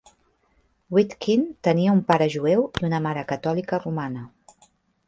Witkin tenia un pare jueu i una mare catòlica romana.